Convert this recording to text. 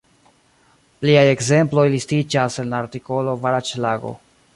Pliaj ekzemploj listiĝas en la artikolo baraĵlago.